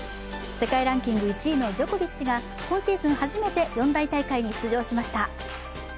世界ランキング１位のジョコビッチが今シーズン初めて四大大会に出場しました。